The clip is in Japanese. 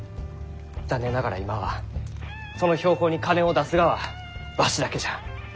残念ながら今はその標本に金を出すがはわしだけじゃ。